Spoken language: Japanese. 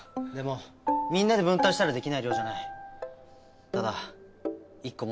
でもみんなで分担したらできない量じゃない。